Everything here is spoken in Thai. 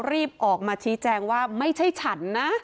รีบออกมาชี้แจงว่าไม่ใช่ฉันนะ